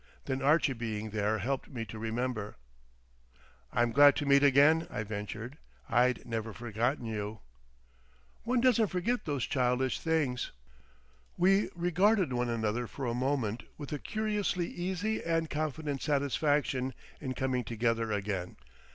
Then Archie being there helped me to remember." "I'm glad to meet again," I ventured. "I'd never forgotten you." "One doesn't forget those childish things." We regarded one another for a moment with a curiously easy and confident satisfaction in coming together again.